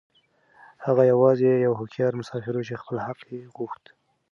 هغه يوازې يو هوښيار مسافر و چې خپل حق يې غوښت.